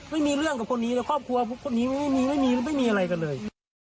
ไม่มีเรื่องกับคนนี้เลยครอบครัวคนนี้ไม่มีไม่มีอะไรกันเลย